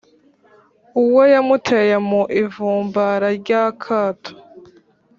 Uwe yamuteye mu ivumbara ry’akato.